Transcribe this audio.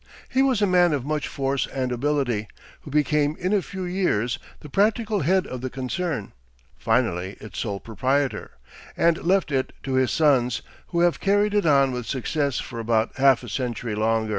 He was a man of much force and ability, who became in a few years the practical head of the concern, finally its sole proprietor, and left it to his sons, who have carried it on with success for about half a century longer.